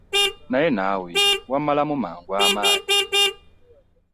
Naye naawe wammalamu mangu amaanyi.